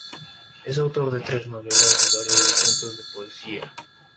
Es autor de tres novelas y varios recuentos de poesía.